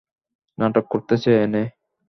নাটক করতেছে এনে।